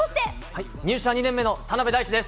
入社２年目の田辺大智です。